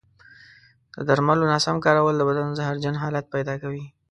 د درملو ناسم کارول د بدن زهرجن حالت پیدا کوي.